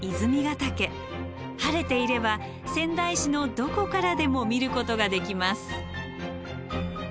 晴れていれば仙台市のどこからでも見ることができます。